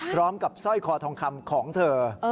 พร้อมกับซ่อยคอทองคำของเธอ